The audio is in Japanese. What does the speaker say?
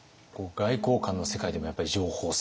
外交官の世界でもやっぱり情報戦？